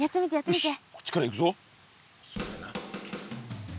よしこっちからいくぞ。